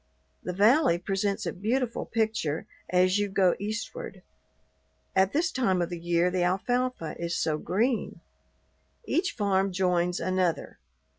The valley presents a beautiful picture as you go eastward; at this time of the year the alfalfa is so green. Each farm joins another.